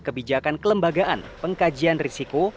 kebijakan kelembagaan pengkajian risiko